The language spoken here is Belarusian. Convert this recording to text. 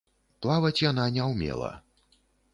Плаваць яна не ўмела.